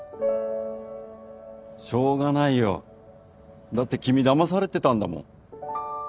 しょうがないよだって君だまされてたんだもん。